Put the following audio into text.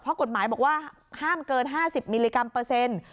เพราะกฎหมายบอกว่าห้ามเกิน๕๐มิลลิกรัมเปอร์เซ็นต์